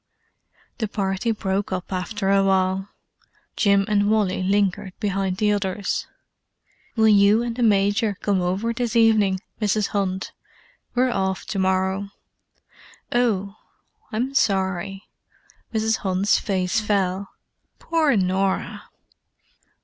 The party broke up after a while. Jim and Wally lingered behind the others. "Will you and the Major come over this evening, Mrs. Hunt? We're off to morrow." "Oh—I'm sorry." Mrs. Hunt's face fell. "Poor Norah!"